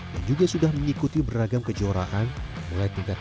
yang juga sudah mengikuti beragam kejuaraan mulai tingkat